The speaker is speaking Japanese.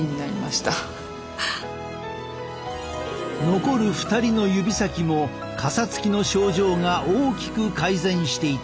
残る２人の指先もかさつきの症状が大きく改善していた。